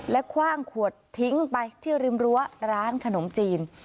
และคว่างขวดทิ้งไปที่ริมรั้วร้านขนมจีน